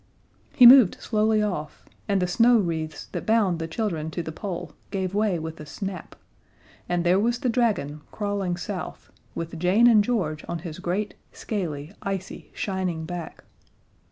He moved slowly off, and the snow wreaths that bound the children to the Pole gave way with a snap, and there was the dragon, crawling south with Jane and George on his great, scaly, icy shining back.